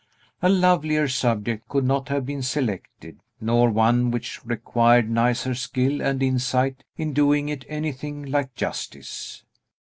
A lovelier subject could not have been selected, nor one which required nicer skill and insight in doing it anything like justice.